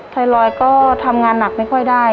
ไทรอยด์ก็ทำงานหนักไม่ค่อยได้